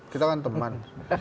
kita kan teman